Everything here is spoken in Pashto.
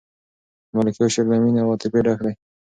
د ملکیار شعر له مینې او عاطفې ډک دی.